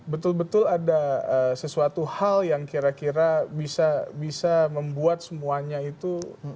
betul betul ada sesuatu hal yang kira kira bisa membuat semuanya itu